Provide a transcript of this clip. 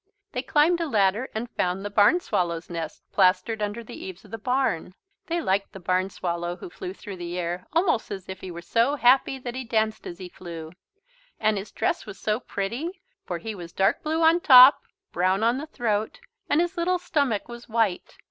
They climbed a ladder and found the barn swallow's nest plastered under the eaves of the barn. They liked the barn swallow who flew through the air, almost as if he were so happy that he danced as he flew. And his dress was so pretty, for he was dark blue on top, brown on the throat, and his little stomach was white.